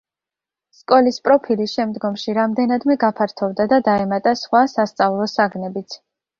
სკოლის პროფილი შემდგომში რამდენადმე გაფართოვდა და დაემატა სხვა სასწავლო საგნებიც.